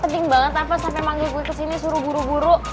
pening banget apa sampe manggil gue kesini suruh buru buru